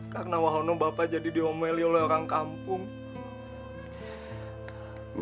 karena wahono bapak jadi diomeli oleh orang kampung